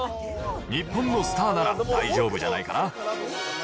日本のスターなら大丈夫じゃないかな？